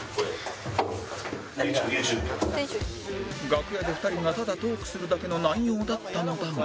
楽屋で２人がただトークするだけの内容だったのだが